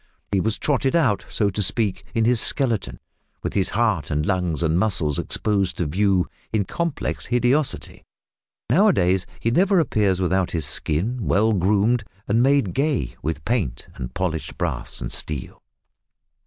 He was trotted out, so to speak, in his skeleton, with his heart and lungs and muscles exposed to view in complex hideosity! Now a days he never appears without his skin well groomed and made gay with paint and polished brass and steel.